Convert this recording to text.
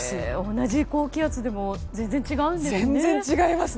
同じ高気圧でも全然違うんですね。